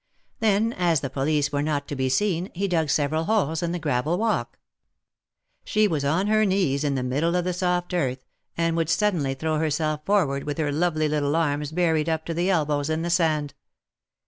Then, as the police were not to be seen, he dug several holes in the gravel walk. She was on her knees in the middle of the soft earth, and would suddenly throw herself forward with her lovely little arms buried up to the elbows in the sand.